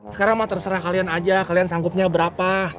sekarang mah terserah kalian aja kalian sanggupnya berapa